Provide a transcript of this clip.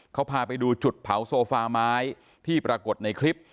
เขาพาไปดูจุดเผาโซฟาไม้ที่ปรากฏในคลิป